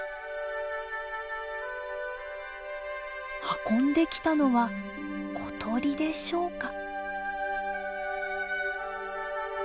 運んできたのは小鳥でしょうか？